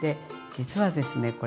実はですね